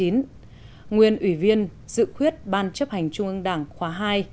nguyên ủy viên dự khuyết ban chấp hành trung ương đảng khóa hai